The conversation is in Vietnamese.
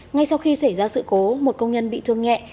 ngay sau khi xảy ra sự cố một công nhân bị thương nhẹ